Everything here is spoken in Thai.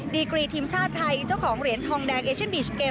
ดีกรีทีมชาติไทยเจ้าของเหรียญทองแดงเอเชียนบีชเกม